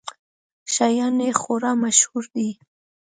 شیان یې خورا مشهور دي.